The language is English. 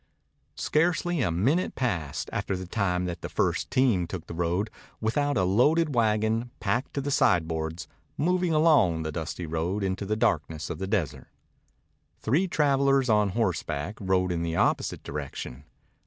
Scarcely a minute passed, after the time that the first team took the road, without a loaded wagon, packed to the sideboards, moving along the dusty road into the darkness of the desert. Three travelers on horseback rode in the opposite direction.